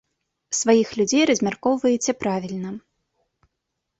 Сваіх людзей размяркоўваеце правільна.